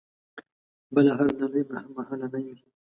بله هره ډالۍ مهالنۍ وي.